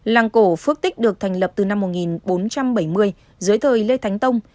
làng cổ phước tích được thành lập từ năm một nghìn bốn trăm bảy mươi dưới thời lê thánh tông